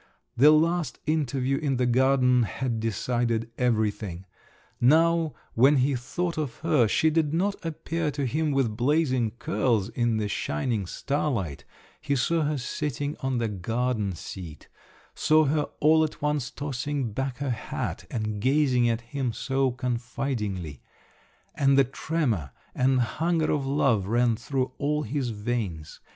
The last interview in the garden had decided everything. Now when he thought of her, she did not appear to him with blazing curls in the shining starlight; he saw her sitting on the garden seat, saw her all at once tossing back her hat, and gazing at him so confidingly … and the tremor and hunger of love ran through all his veins.